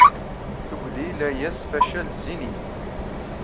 Tugdi, layas, facal zzin-iyi.